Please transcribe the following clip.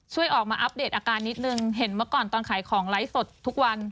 ช่วยออกมาอัปเดตอาการนิดนึงเห็นเมื่อก่อนตอนขายของไลฟ์สดทุกวัน